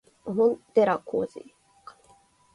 小寺浩二